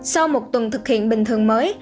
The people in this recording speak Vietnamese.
sau một tuần thực hiện bình thường mới